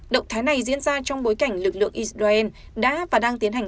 động thái này diễn ra trong bối cảnh lực lượng israel đã và đang tiến hành